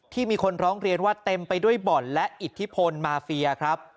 มีคนร้องเรียนว่าเต็มไปด้วยบ่อนและอิทธิพลมาเฟียครับ